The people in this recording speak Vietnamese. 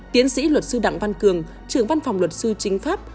tiến sĩ luật sư đặng văn cường trưởng văn phòng luật sư chính pháp